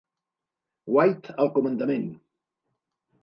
White al comandament.